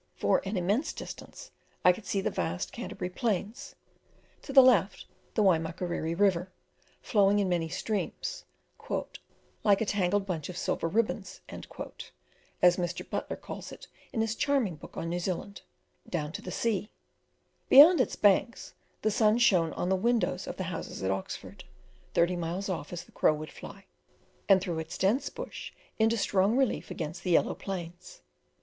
For an immense distance I could see the vast Canterbury plains; to the left the Waimakiriri river, flowing in many streams, "like a tangled bunch of silver ribbons" (as Mr. Butler calls it in his charming book on New Zealand), down to the sea; beyond its banks the sun shone on the windows of the houses at Oxford, thirty miles off as the crow would fly, and threw its dense bush into strong relief against the yellow plains.